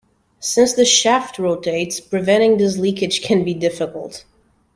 Since the shaft rotates, preventing this leakage can be difficult.